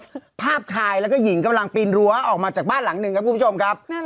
คือภาพชายแล้วก็หญิงกำลังปีนรั้วออกมาจากบ้านหลังหนึ่งครับคุณผู้ชมครับ